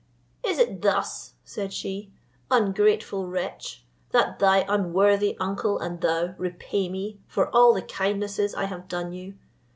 "Is it thus," said she, "ungrateful wretch! that thy unworthy uncle and thou repay me for all the kindnesses I have done you?